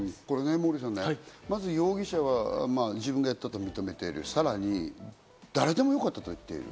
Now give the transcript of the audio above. モーリーさん、容疑者は自分がやったと認めている、さらに誰でもよかったと言ってる。